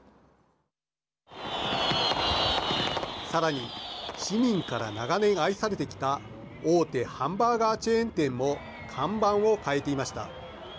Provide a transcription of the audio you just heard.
さらに市民から長年愛されてきた大手ハンバーガーチェーン店も看板を変えていました。